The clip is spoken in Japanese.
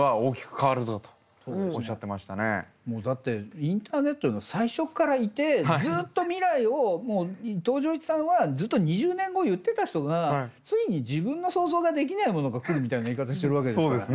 だってインターネットの最初からいてずっと未来を伊藤穰一さんはずっと２０年後を言ってた人がついに自分の想像ができないものが来るみたいな言い方してるわけですからね。